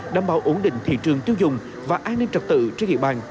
đảm bảo ổn định thị trường tiêu dùng và an ninh trật tự trên địa bàn